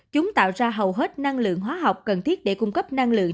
chúng tạo ra hầu hết năng lượng hóa học cần thiết để cung cấp năng lượng